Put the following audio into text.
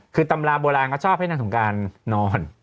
คือตำราโบราณเขาชอบให้นางสงการนอน